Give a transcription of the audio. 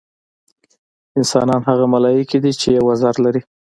انسانان هغه ملایکې دي چې یو وزر لري.